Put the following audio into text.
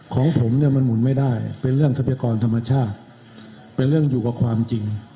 ของผมเนี่ยมันหมุนไม่ได้เป็นเรื่องทรัพยากรธรรมชาติเป็นเรื่องอยู่กับความจริง